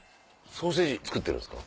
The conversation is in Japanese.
ソーセージ作ってるんですか？